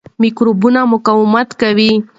میکروبونه مقاوم کیږي.